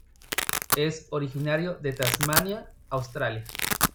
Es originario de Tasmania, Australia.